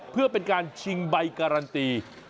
เพื่อเป็นการชิงใบการันตี